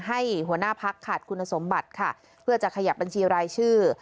หัวหน้าพักขาดคุณสมบัติค่ะเพื่อจะขยับบัญชีรายชื่อ